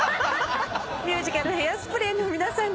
ミュージカル『ヘアスプレー』の皆さんでした。